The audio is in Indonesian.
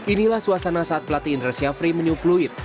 inilah suasana saat pelatih indra syafri menyupluit